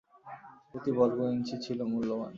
প্রতি বর্গ ইঞ্চি ছিল মূল্যবান।